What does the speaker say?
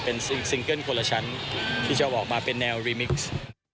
เป็นซิงเกิ้ลคนละชั้นที่จะออกมาเป็นแนวรีมิกซ์